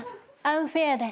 「アンフェア。